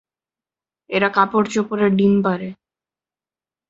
এরা কাপড়-চোপড়ে ডিম পাড়ে।